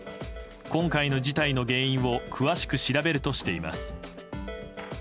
今回の事態の原因を詳しく調べるとしています。